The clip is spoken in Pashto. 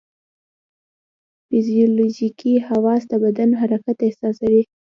فزیولوژیکي حواس د بدن حرکت احساسوي.